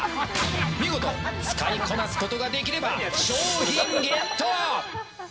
見事使いこなすことができれば商品ゲット！